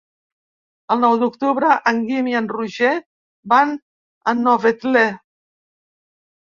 El nou d'octubre en Guim i en Roger van a Novetlè.